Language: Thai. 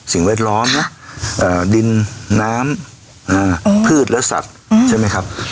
แวดล้อมนะดินน้ำพืชและสัตว์ใช่ไหมครับ